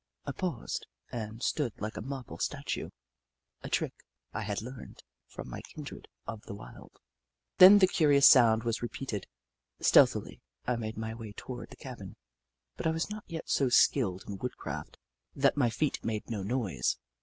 I paused and stood like a marble statue — a trick I had learned from my kindred of the wild. Then the curious sound was repeated. Stealthily, I made my way toward the cabin, but I was not yet so skilled in woodcraft that I40 The Book of Clever Beasts my feet made no noise.